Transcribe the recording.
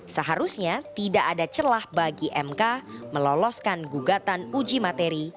seharusnya tidak ada celah bagi mk meloloskan gugatan uji materi